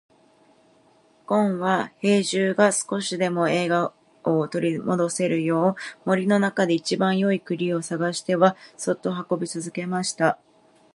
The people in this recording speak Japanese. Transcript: ごんは兵十が少しでも笑顔を取り戻せるよう、森の中で一番よい栗を探してはそっと運び続けました。